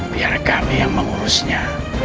biar kami yang mengurusnya